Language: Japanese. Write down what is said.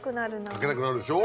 かけたくなるでしょ。